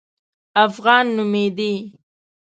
افغان نومېدی.